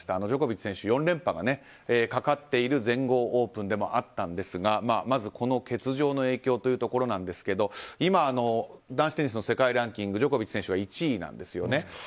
ジョコビッチ選手４連覇がかかっている全豪オープンでもあったんですがまず、この欠場の影響というところですが今、男子テニスの世界ランキングジョコビッチ選手は１位なんです。